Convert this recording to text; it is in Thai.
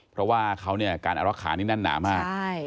เพราะว่าเขาเนี่ยการอารักษานี่แน่นหนามาก